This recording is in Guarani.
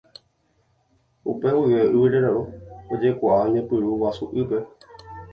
Upe guive Yvyraro ojekuaa ñepyrũ Guasu'ýpe.